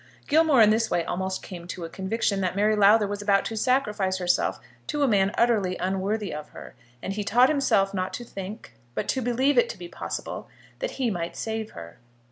Gilmore in this way almost came to a conviction that Mary Lowther was about to sacrifice herself to a man utterly unworthy of her, and he taught himself, not to think, but to believe it to be possible that he might save her.